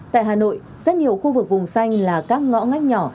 tại hà nội rất nhiều khu vực vùng xanh là các ngõ ngách nhỏ